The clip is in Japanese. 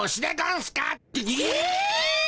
え！